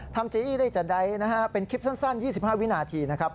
เจอี้ได้จากใดนะฮะเป็นคลิปสั้น๒๕วินาทีนะครับ